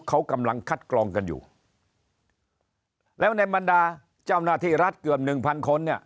เขากำลังคัดกรองกันอยู่แล้วในบรรดาเจ้าหน้าที่รัฐเกือบหนึ่งพันคนเนี่ย